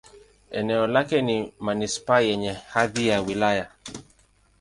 Eneo lake ni manisipaa yenye hadhi ya wilaya.